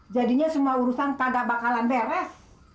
jadinya semua urusan pada bakalan beres